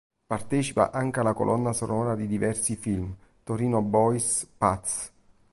Partecipa anche alla colonna sonora di diversi film: "Torino Boys", "Paz!